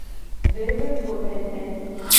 Vevegotete.